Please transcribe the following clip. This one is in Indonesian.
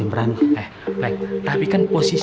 eh betah terus